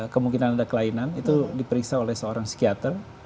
kemungkinan ada kelainan itu diperiksa oleh seorang psikiater